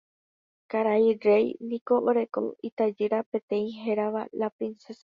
Karai rey niko oreko itajýra peteĩ hérava la Princesa.